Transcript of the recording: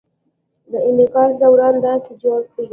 د انعکاس دوران داسې جوړ کړئ: